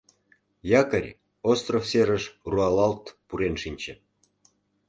Якорь остров серыш руалалт пурен шинче.